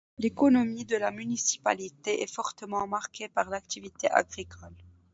L'économie de la municipalité est fortement marquée par l'activité agricole.